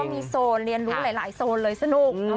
มีโซนเรียนรู้หลายโซนเลยสนุก